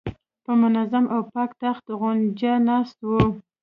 په منظم او پاک تخت غونجه ناسته وه.